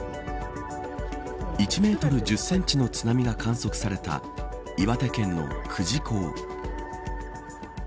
１メートル１０センチの津波が観測された岩手県の久慈港。